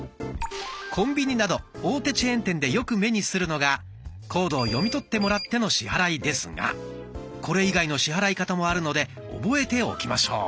コンビニなど大手チェーン店でよく目にするのがコードを読み取ってもらっての支払いですがこれ以外の支払い方もあるので覚えておきましょう。